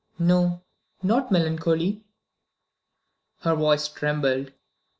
"No; not melancholy." Her voice trembled.